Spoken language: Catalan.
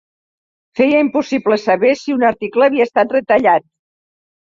Feia impossible saber si un article havia estat retallat